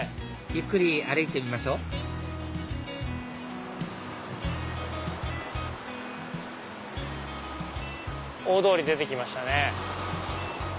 ゆっくり歩いてみましょ大通り出て来ましたね。